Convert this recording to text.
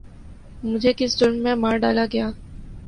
مجھے کس جرم میں مار ڈالا گیا؟